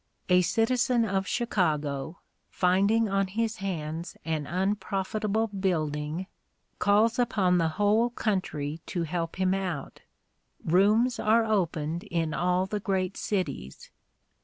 A citizen of Chicago, finding on his hands an unprofitable building, calls upon the whole country to help him out. Rooms are opened in all the great cities.